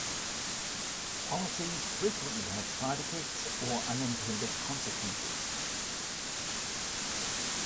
Policies frequently have side effects or unintended consequences.